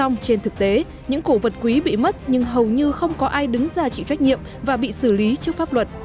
nhưng thực tế những cổ vật quý bị mất nhưng hầu như không có ai đứng ra chịu trách nhiệm và bị xử lý trước pháp luật